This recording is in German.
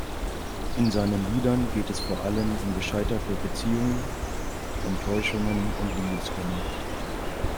In seinen Liedern geht es vor allem um gescheiterte Beziehungen, Enttäuschungen und Liebeskummer.